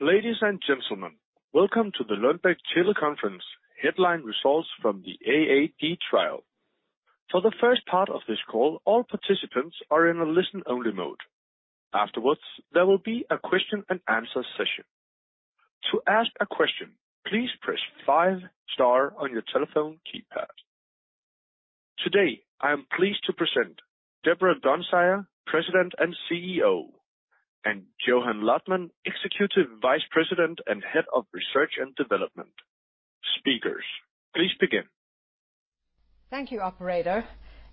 Ladies and gentlemen, welcome to the Lundbeck Teleconference, headline results from the AAD trial. For the first part of this call, all participants are in a listen-only mode. Afterwards, there will be a question and answer session. To ask a question, please press five star on your telephone keypad. Today, I am pleased to present Deborah Dunsire, President and CEO, and Johan Luthman, Executive Vice President and Head of Research and Development. Speakers, please begin. Thank you, operator,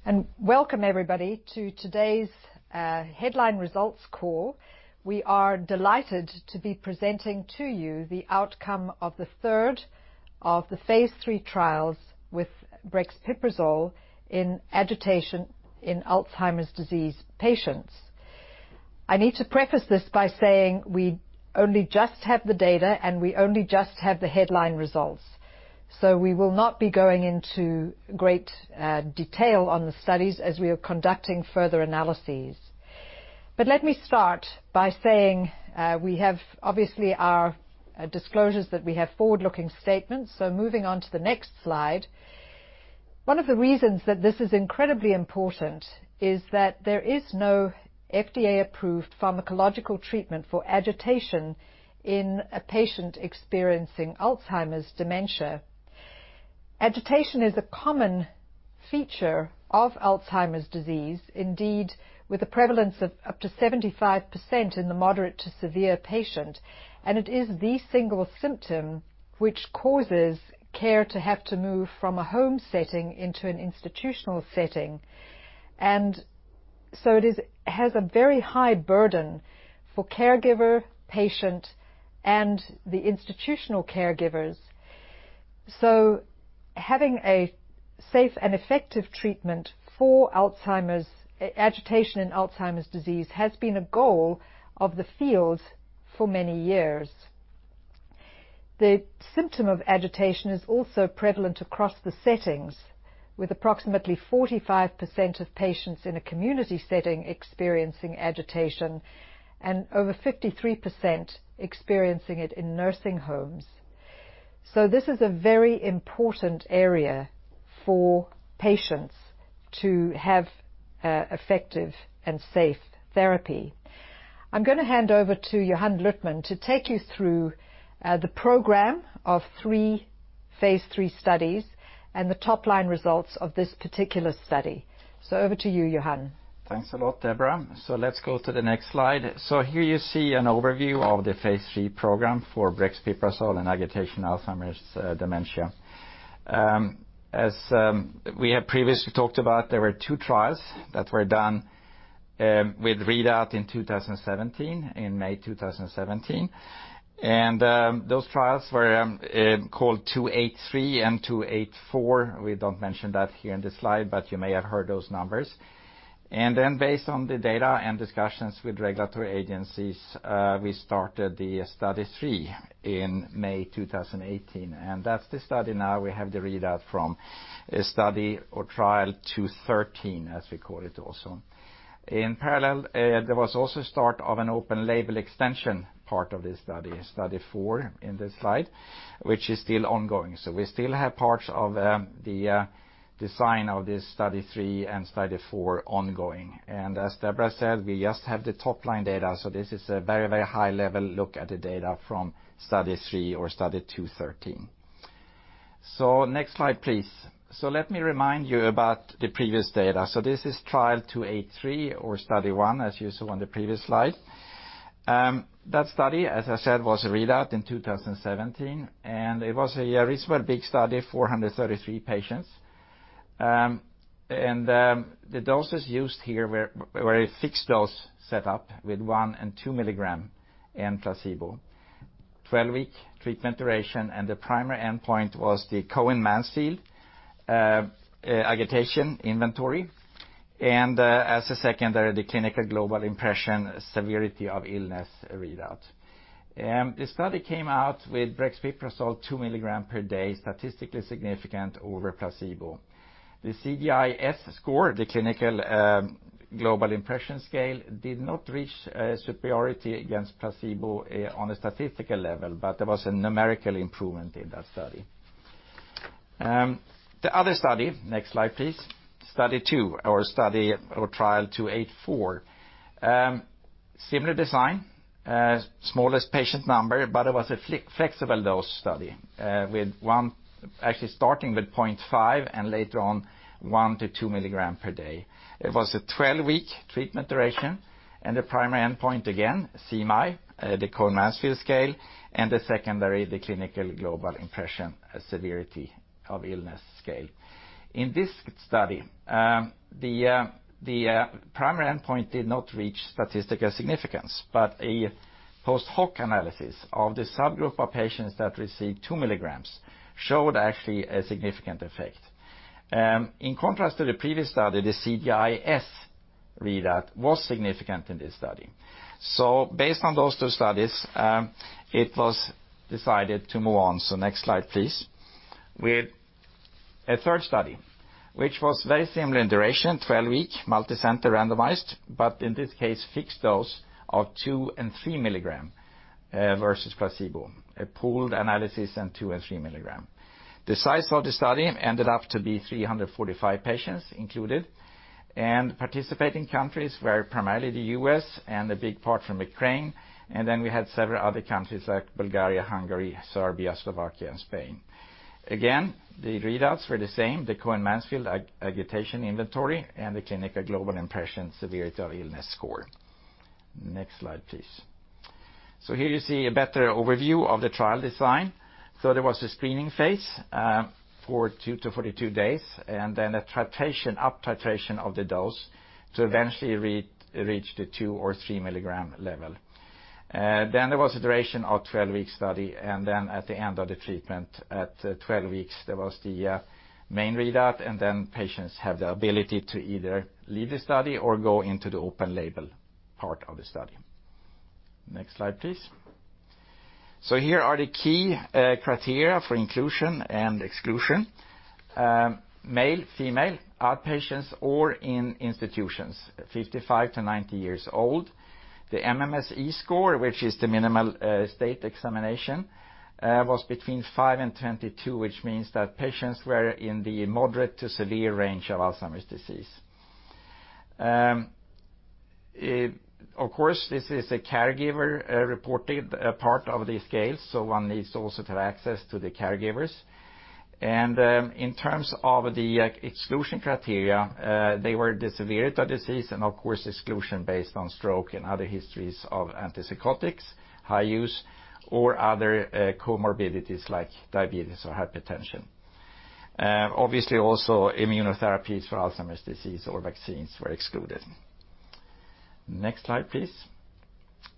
and welcome everybody to today's headline results call. We are delighted to be presenting to you the outcome of the third of the phase III trials with brexpiprazole in agitation in Alzheimer's disease patients. I need to preface this by saying we only just have the data, and we only just have the headline results, so we will not be going into great detail on the studies as we are conducting further analyses, but let me start by saying, we have obviously our disclosures that we have forward-looking statements, so moving on to the next slide. One of the reasons that this is incredibly important is that there is no FDA-approved pharmacological treatment for agitation in a patient experiencing Alzheimer's dementia. Agitation is a common feature of Alzheimer's disease, indeed, with a prevalence of up to 75% in the moderate to severe patient, and it is the single symptom which causes care to have to move from a home setting into an institutional setting, and so it has a very high burden for caregiver, patient, and the institutional caregivers, so having a safe and effective treatment for Alzheimer's, agitation in Alzheimer's disease, has been a goal of the field for many years. The symptom of agitation is also prevalent across the settings, with approximately 45% of patients in a community setting experiencing agitation and over 53% experiencing it in nursing homes, so this is a very important area for patients to have effective and safe therapy. I'm gonna hand over to Johan Luthman to take you through the program of three phase III studies and the top-line results of this particular study. So over to you, Johan. Thanks a lot, Deborah. So let's go to the next slide. So here you see an overview of the phase III program for brexpiprazole and agitation in Alzheimer's dementia. As we have previously talked about, there were two trials that were done with readout in two thousand and seventeen, in May two thousand and seventeen. And those trials were called two eight three and two eight four. We don't mention that here in this slide, but you may have heard those numbers. And then based on the data and discussions with regulatory agencies, we started the study three in May two thousand and eighteen, and that's the study now we have the readout from, a study or trial two thirteen, as we call it also. In parallel, there was also start of an open label extension, part of this study, study four in this slide, which is still ongoing. So we still have parts of the design of this study three and study four ongoing. And as Deborah said, we just have the top-line data, so this is a very, very high-level look at the data from study three or study two thirteen. So next slide, please. So let me remind you about the previous data. So this is trial two eight three or study one, as you saw on the previous slide. That study, as I said, was readout in two thousand and seventeen, and it was a reasonable big study, four hundred and thirty-three patients. And the doses used here were a fixed dose setup with one and 2mg and placebo. Twelve-week treatment duration, and the primary endpoint was the Cohen-Mansfield Agitation Inventory, and, as a secondary, the Clinical Global Impression Severity of Illness readout. The study came out with brexpiprazole 2mg per day, statistically significant over placebo. The CGI-S score, the Clinical Global Impression Scale, did not reach superiority against placebo on a statistical level, but there was a numerical improvement in that study. The other study, next slide please, study two or trial 284. Similar design, smallest patient number, but it was a flexible dose study, with one actually starting with point five and later on one to 2mg per day. It was a twelve-week treatment duration and the primary endpoint, again, CMAI, the Cohen-Mansfield Scale, and the secondary, the Clinical Global Impression Severity of Illness scale. In this study, the primary endpoint did not reach statistical significance, but a post-hoc analysis of the subgroup of patients that received 2mg showed actually a significant effect. In contrast to the previous study, the CGI-S readout was significant in this study, so based on those two studies, it was decided to move on. Next slide, please. A third study, which was very similar in duration, 12-week, multicenter randomized, but in this case, fixed dose of two and 3mg versus placebo, a pooled analysis and two and 3mg. The size of the study ended up to be 345 patients included, and participating countries were primarily the US and a big part from Ukraine, and then we had several other countries like Bulgaria, Hungary, Serbia, Slovakia, and Spain. Again, the readouts were the same, the Cohen-Mansfield Agitation Inventory and the Clinical Global Impression Severity of Illness score. Next slide, please. So here you see a better overview of the trial design. So there was a screening phase for two to 42 days, and then a titration uptitration of the dose to eventually reach the 2mg or 3mg level. Then there was a duration of 12-week study, and then at the end of the treatment at 12 weeks, there was the main readout, and then patients have the ability to either leave the study or go into the open label part of the study. Next slide, please. So here are the key criteria for inclusion and exclusion. Male, female, outpatients or in institutions, 55 to 90 years old. The MMSE score, which is the Mini-Mental State Examination, was between five and 22, which means that patients were in the moderate to severe range of Alzheimer's disease. Of course, this is a caregiver reported part of the scale, so one needs also to have access to the caregivers, and in terms of the exclusion criteria, they were the severity of disease and, of course, exclusion based on stroke and other histories of antipsychotics, high use or other, comorbidities like diabetes or hypertension. Obviously, also immunotherapies for Alzheimer's disease or vaccines were excluded. Next slide, please,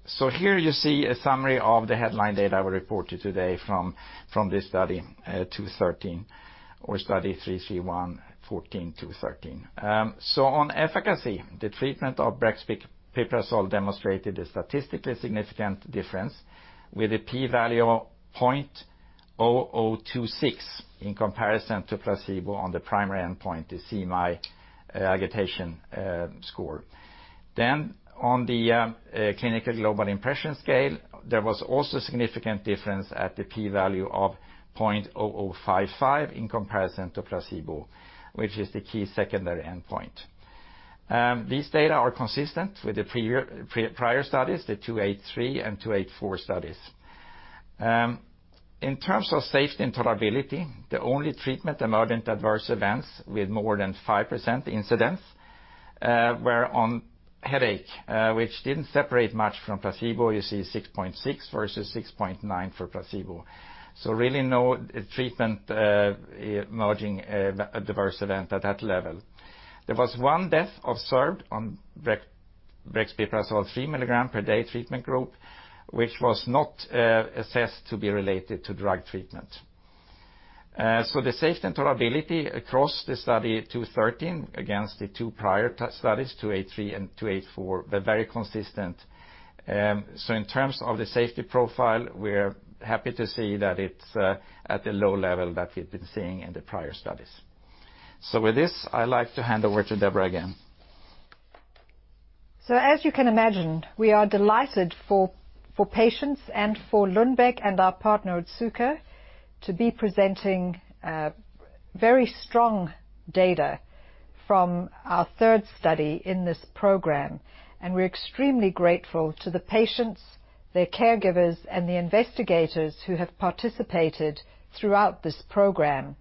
so here you see a summary of the headline data we reported today from this Study 213 or Study 331-14-213. So on efficacy, the treatment of brexpiprazole demonstrated a statistically significant difference with a p-value of 0.0026 in comparison to placebo on the primary endpoint, the CMAI agitation score. Then on the Clinical Global Impression scale, there was also significant difference at the p-value of 0.0055 in comparison to placebo, which is the key secondary endpoint. These data are consistent with the prior studies, the 283 and 284 studies. In terms of safety and tolerability, the only treatment emergent adverse events with more than 5% incidence were on headache, which didn't separate much from placebo. You see 6.6 versus 6.9 for placebo. So really no treatment emerging adverse event at that level. There was one death observed on brexpiprazole 3mg per day treatment group, which was not assessed to be related to drug treatment. So the safety and tolerability across the study 213 against the two prior studies, 283 and 284, were very consistent. So in terms of the safety profile, we're happy to see that it's at the low level that we've been seeing in the prior studies. So with this, I'd like to hand over to Deborah again. As you can imagine, we are delighted for patients and for Lundbeck and our partner, Otsuka, to be presenting very strong data from our third study in this program. We're extremely grateful to the patients, their caregivers, and the investigators who have participated throughout this program,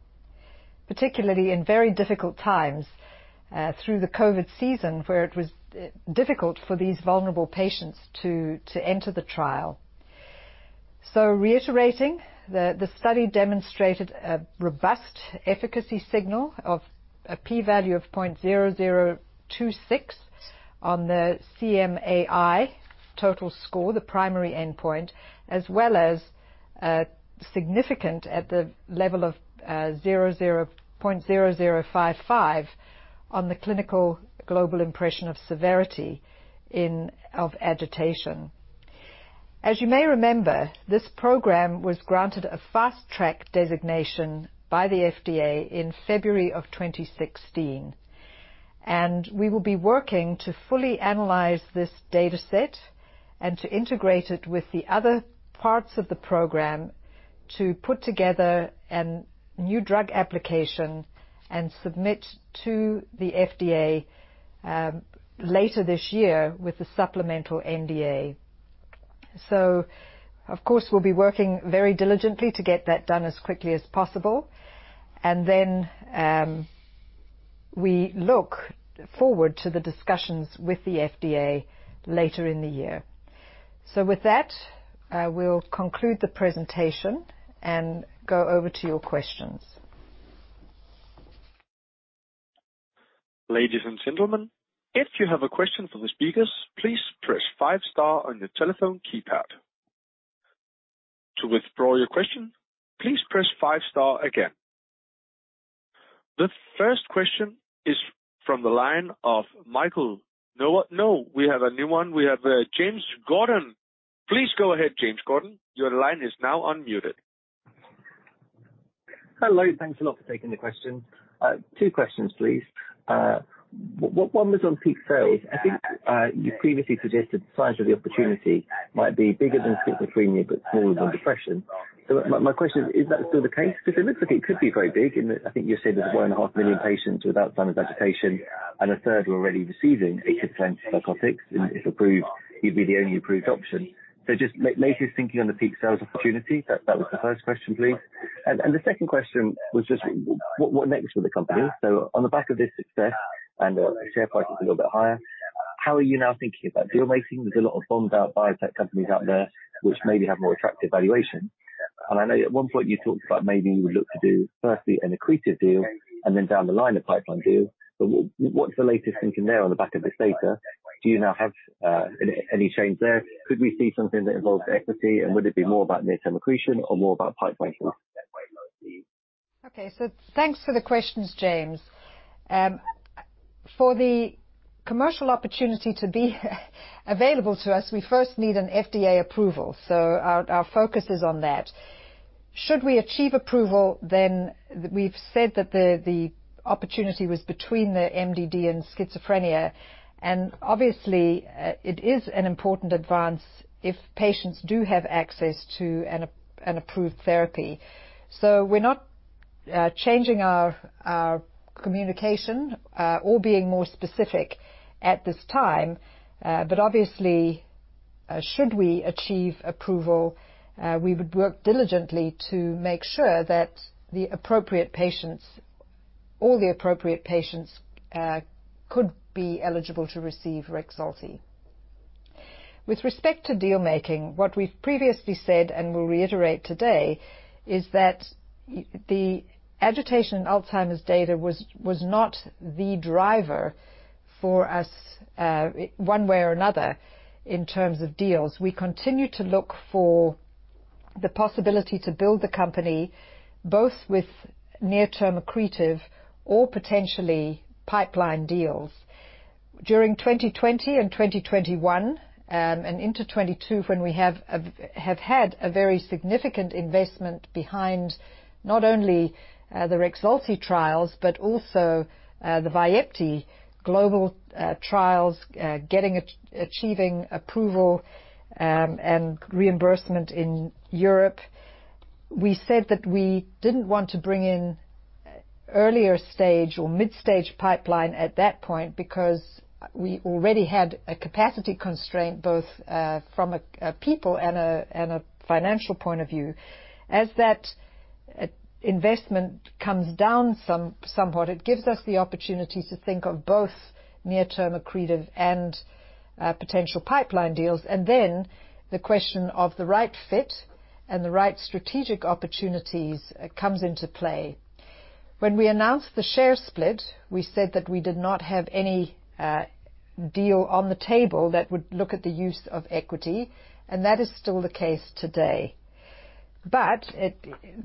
particularly in very difficult times through the COVID season, where it was difficult for these vulnerable patients to enter the trial. Reiterating, the study demonstrated a robust efficacy signal of a p-value of 0.0026 on the CMAI total score, the primary endpoint, as well as significant at the level of 0.0055 on the Clinical Global Impression of severity of agitation. As you may remember, this program was granted a Fast Track designation by the FDA in February of 2016, and we will be working to fully analyze this data set and to integrate it with the other parts of the program to put together a new drug application and submit to the FDA, later this year with the supplemental NDA. So of course, we'll be working very diligently to get that done as quickly as possible, and then, we look forward to the discussions with the FDA later in the year. With that, we'll conclude the presentation and go over to your questions. Ladies and gentlemen, if you have a question for the speakers, please press five star on your telephone keypad. To withdraw your question, please press five star again. The first question is from the line of Michael Novod. No, we have a new one. We have James Gordon. Please go ahead, James Gordon. Your line is now unmuted. Hello. Thanks a lot for taking the question. Two questions, please. One was on peak sales. I think you previously suggested the size of the opportunity might be bigger than schizophrenia, but smaller than depression. So my question is, is that still the case? Because it looks like it could be very big, in that I think you said there's one and a half million patients with Alzheimer's agitation, and a third who are already receiving atypical antipsychotics. And if approved, it'd be the only approved option. So just latest thinking on the peak sales opportunity. That was the first question, please. And the second question was just what next for the company? So on the back of this success and share price is a little bit higher, how are you now thinking about deal making? There's a lot of bombed out biotech companies out there which maybe have more attractive valuation. And I know at one point you talked about maybe you would look to do firstly an accretive deal and then down the line, a pipeline deal. But what's the latest thinking there on the back of this data? Do you now have any change there? Could we see something that involves equity? And would it be more about near-term accretion or more about pipeline deals? Okay, so thanks for the questions, James. For the commercial opportunity to be available to us, we first need an FDA approval, so our focus is on that. Should we achieve approval, then we've said that the opportunity was between the MDD and schizophrenia, and obviously it is an important advance if patients do have access to an approved therapy. So we're not changing our communication or being more specific at this time. But obviously, should we achieve approval, we would work diligently to make sure that the appropriate patients, all the appropriate patients, could be eligible to receive REXULTI. With respect to deal making, what we've previously said, and we'll reiterate today, is that the agitation in Alzheimer's data was not the driver for us one way or another in terms of deals. We continue to look for the possibility to build the company, both with near-term accretive or potentially pipeline deals. During 2020 and 2021, and into 2022, when we have had a very significant investment behind not only the REXULTI trials, but also the Vyepti global trials, getting achieving approval, and reimbursement in Europe. We said that we didn't want to bring in earlier stage or mid-stage pipeline at that point because we already had a capacity constraint, both from a people and a financial point of view. As that investment comes down somewhat, it gives us the opportunity to think of both near-term accretive and potential pipeline deals, and then the question of the right fit and the right strategic opportunities comes into play. When we announced the share split, we said that we did not have any deal on the table that would look at the use of equity, and that is still the case today. But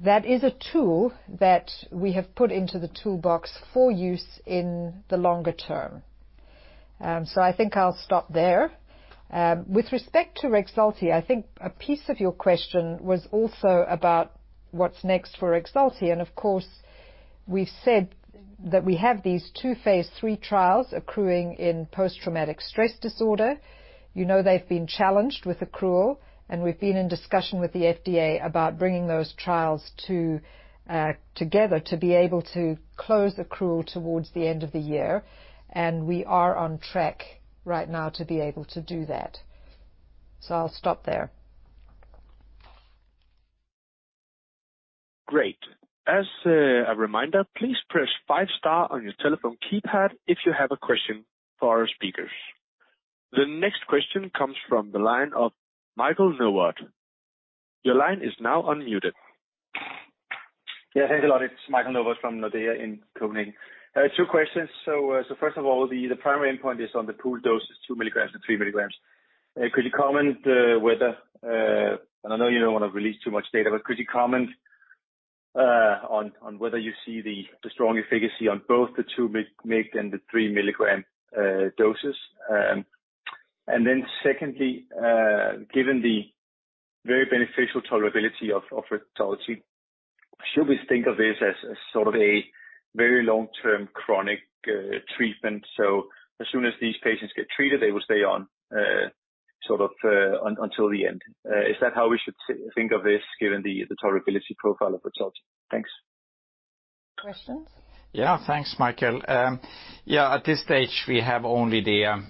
that is a tool that we have put into the toolbox for use in the longer term, so I think I'll stop there. With respect to REXULTI, I think a piece of your question was also about what's next for REXULTI, and of course, we've said that we have these two phase III trials accruing in post-traumatic stress disorder. You know, they've been challenged with accrual, and we've been in discussion with the FDA about bringing those trials to together to be able to close accrual towards the end of the year, and we are on track right now to be able to do that, so I'll stop there. Great. As a reminder, please press five star on your telephone keypad if you have a question for our speakers. The next question comes from the line of Michael Novod. Your line is now unmuted. Yeah, thank you a lot. It's Michael Novod from Nordea in Copenhagen. I have two questions. So first of all, the primary endpoint is on the pooled doses, 2mg and 3mg. And I know you don't want to release too much data, but could you comment on whether you see the strong efficacy on both the 2mg and the 3mg doses? And then secondly, given the very beneficial tolerability of REXULTI, should we think of this as sort of a very long-term, chronic treatment, so as soon as these patients get treated, they will stay on sort of until the end? Is that how we should think of this, given the tolerability profile of REXULTI? Thanks. Questions? Yeah, thanks, Michael. Yeah, at this stage, we have only the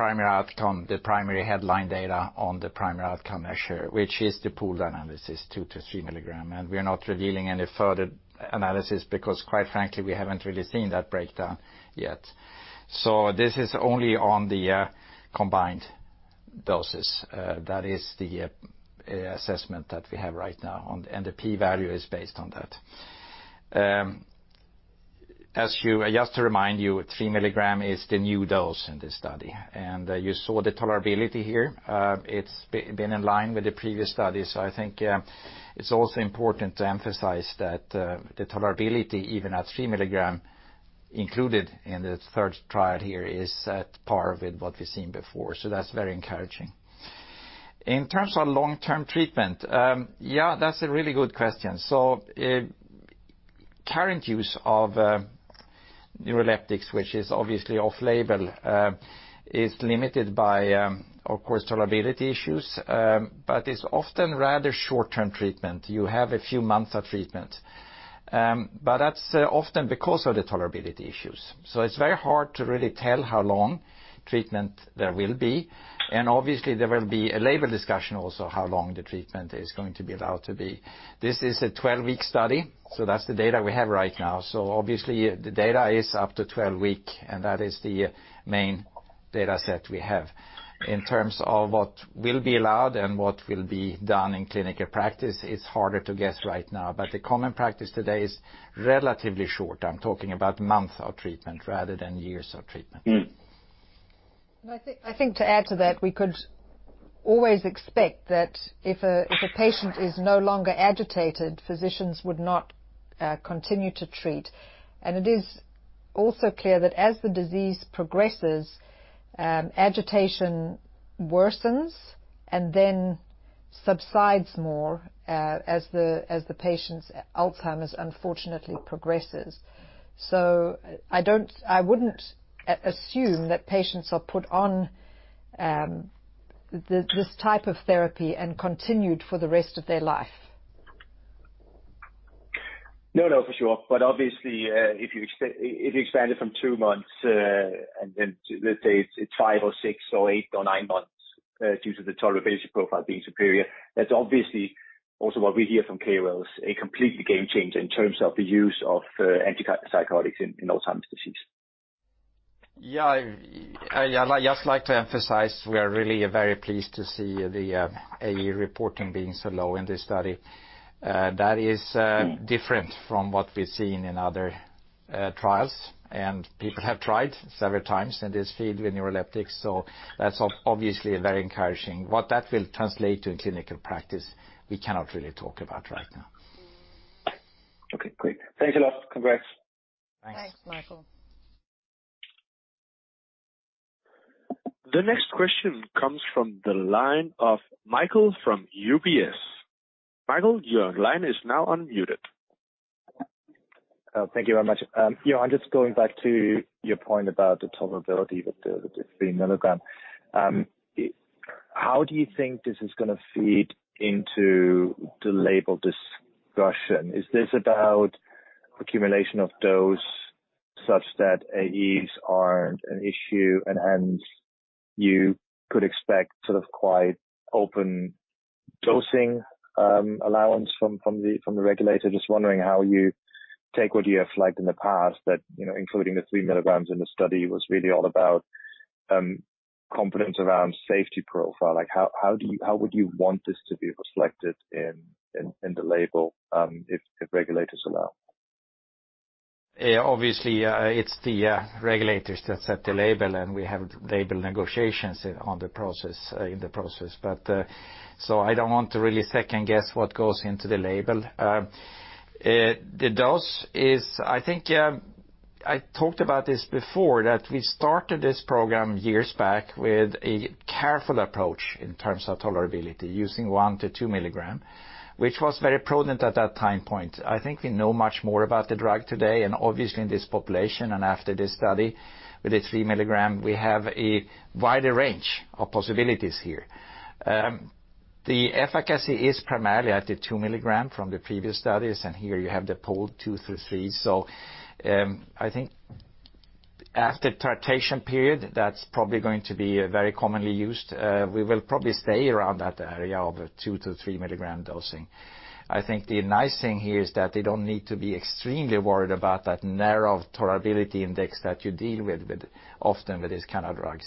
primary outcome, the primary headline data on the primary outcome measure, which is the pooled analysis, 2mg to 3mg. And we are not revealing any further analysis because, quite frankly, we haven't really seen that breakdown yet. So this is only on the combined doses. That is the assessment that we have right now and the P-value is based on that. As you just to remind you, 3mg is the new dose in this study, and you saw the tolerability here. It's been in line with the previous study. So I think it's also important to emphasize that the tolerability, even at 3mg included in the third trial here is at par with what we've seen before, so that's very encouraging. In terms of long-term treatment, yeah, that's a really good question. So current use of neuroleptics, which is obviously off-label, is limited by, of course, tolerability issues, but it's often rather short-term treatment. You have a few months of treatment, but that's often because of the tolerability issues. So it's very hard to really tell how long treatment there will be. And obviously, there will be a label discussion also, how long the treatment is going to be allowed to be. This is a twelve-week study, so that's the data we have right now. So obviously, the data is up to twelve weeks, and that is the main data set we have. In terms of what will be allowed and what will be done in clinical practice, it's harder to guess right now. But the common practice today is relatively short. I'm talking about months of treatment rather than years of treatment. Mm-hmm. I think to add to that, we could always expect that if a patient is no longer agitated, physicians would not continue to treat. It is also clear that as the disease progresses, agitation worsens and then subsides more as the patient's Alzheimer's unfortunately progresses. I wouldn't assume that patients are put on this type of therapy and continued for the rest of their life. No, no, for sure. But obviously, if you expand it from two months, and then let's say it's five or six or eight or nine months, due to the tolerability profile being superior, that's obviously also what we hear from KOLs, a complete game changer in terms of the use of antipsychotics in Alzheimer's disease. Yeah, I just like to emphasize, we are really very pleased to see the AE reporting being so low in this study. That is different from what we've seen in other trials, and people have tried several times in this field with neuroleptics, so that's obviously very encouraging. What that will translate to in clinical practice, we cannot really talk about right now. Okay, great. Thanks a lot. Congrats. Thanks, Michael. The next question comes from the line of Michael from UBS. Michael, your line is now unmuted. Thank you very much. Yeah, I'm just going back to your point about the tolerability with the 3mg. How do you think this is going to feed into the label discussion? Is this about accumulation of dose such that AEs aren't an issue and you could expect sort of quite open dosing allowance from the regulator? Just wondering how you take what you have flagged in the past, that, you know, including the 3mg in the study, was really all about confidence around safety profile. Like, how would you want this to be reflected in the label if regulators allow? Yeah, obviously, it's the regulators that set the label, and we have label negotiations in the process. But, so I don't want to really second guess what goes into the label. The dose is... I think I talked about this before, that we started this program years back with a careful approach in terms of tolerability, using one to 2mg, which was very prudent at that time point. I think we know much more about the drug today, and obviously in this population and after this study with the 3mg, we have a wider range of possibilities here. The efficacy is primarily at the 3mg from the previous studies, and here you have the pool two through three. So, I think after titration period, that's probably going to be very commonly used. We will probably stay around that area of 2mg to 3mg dosing. I think the nice thing here is that they don't need to be extremely worried about that narrow tolerability index that you deal with, often with these kind of drugs.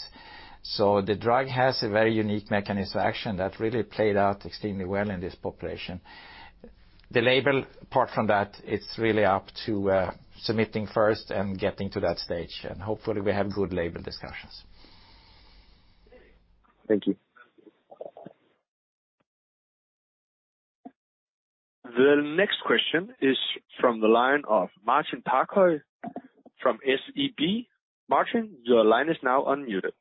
So the drug has a very unique mechanism of action that really played out extremely well in this population. The label, apart from that, it's really up to submitting first and getting to that stage, and hopefully we have good label discussions. Thank you. The next question is from the line of Martin Parkhøi from SEB. Martin, your line is now unmuted.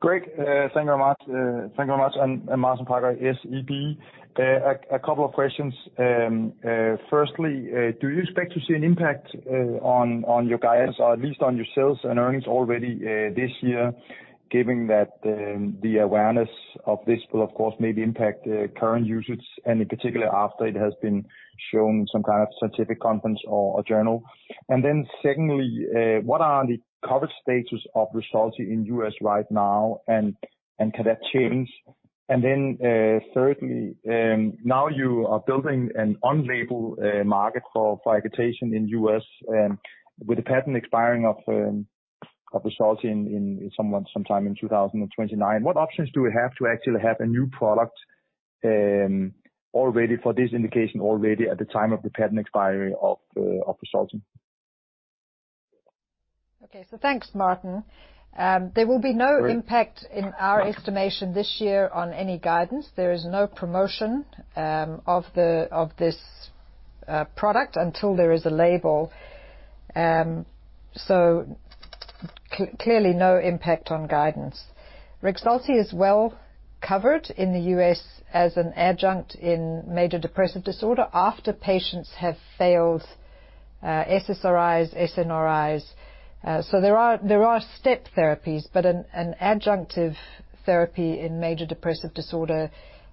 Great. Thank you very much. Thank you very much, I'm Martin Parkhøi, SEB. A couple of questions. Firstly, do you expect to see an impact on your guidance, or at least on your sales and earnings already this year, given that the awareness of this will, of course, maybe impact the current usage, and in particular, after it has been shown in some kind of scientific conference or journal? And then secondly, what are the coverage status of REXULTI in U.S. right now, and could that change? And then thirdly, now you are building an on-label market for agitation in U.S., with the patent expiring of the REXULTI in sometime in 2029. What options do we have to actually have a new product already for this indication already at the time of the patent expiry of REXULTI?... Okay, so thanks, Martin. There will be no impact in our estimation this year on any guidance. There is no promotion of this product until there is a label. So clearly, no impact on guidance. REXULTI is well covered in the U.S. as an adjunct in major depressive disorder after patients have failed SSRIs, SNRIs. So there are step therapies, but an adjunctive therapy in major depressive disorder,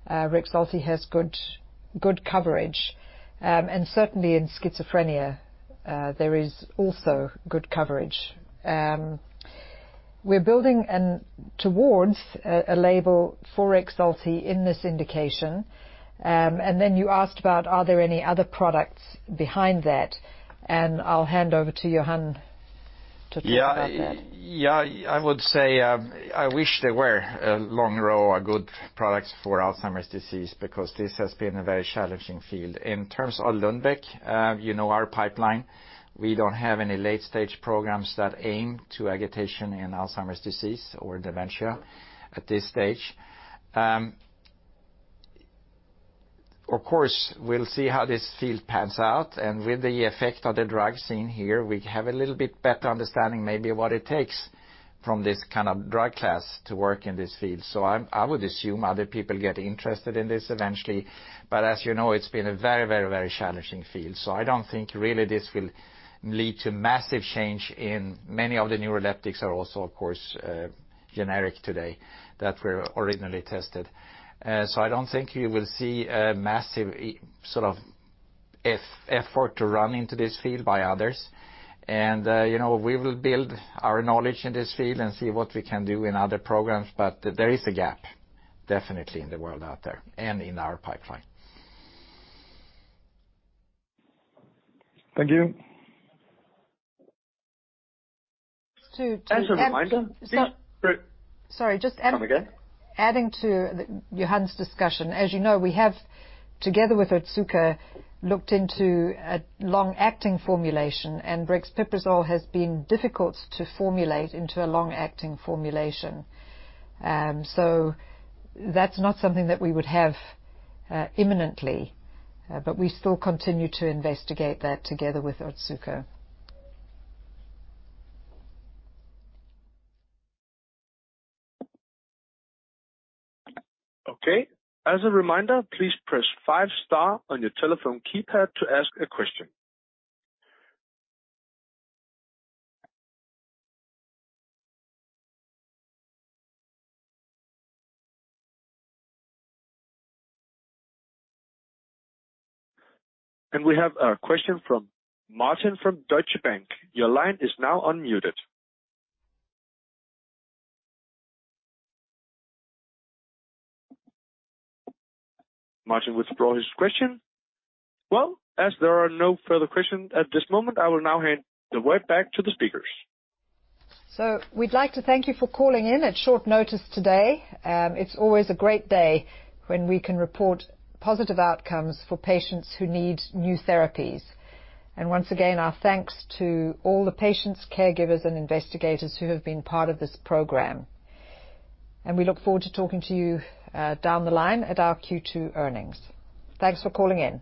REXULTI has good coverage. And certainly in schizophrenia, there is also good coverage. We're building towards a label for REXULTI in this indication. And then you asked about are there any other products behind that. I'll hand over to Johan to talk about that. Yeah. Yeah, I would say, I wish there were a long row of good products for Alzheimer's disease, because this has been a very challenging field. In terms of Lundbeck, you know, our pipeline, we don't have any late stage programs that aim at agitation in Alzheimer's disease or dementia at this stage. Of course, we'll see how this field pans out, and with the effect of the drug seen here, we have a little bit better understanding maybe of what it takes from this kind of drug class to work in this field. So I would assume other people get interested in this eventually, but as you know, it's been a very, very, very challenging field. So I don't think really this will lead to massive change, and many of the neuroleptics are also, of course, generic today that were originally tested. So I don't think you will see a massive sort of effort to run into this field by others. And, you know, we will build our knowledge in this field and see what we can do in other programs, but there is a gap, definitely in the world out there and in our pipeline. Thank you. To, to- As a reminder, please- Sorry, just adding- Come again. Adding to Johan's discussion. As you know, we have, together with Otsuka, looked into a long-acting formulation, and brexpiprazole has been difficult to formulate into a long-acting formulation, so that's not something that we would have, imminently, but we still continue to investigate that together with Otsuka. Okay, as a reminder, please press five star on your telephone keypad to ask a question. And we have a question from Martin from Deutsche Bank. Your line is now unmuted. Martin withdrew his question. Well, as there are no further questions at this moment, I will now hand the word back to the speakers. So we'd like to thank you for calling in at short notice today. It's always a great day when we can report positive outcomes for patients who need new therapies. And once again, our thanks to all the patients, caregivers, and investigators who have been part of this program. And we look forward to talking to you down the line at our Q2 earnings. Thanks for calling in.